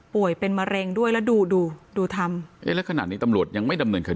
เป็นมะเร็งด้วยแล้วดูดูดูทำเอ๊ะแล้วขณะนี้ตำรวจยังไม่ดำเนินคดี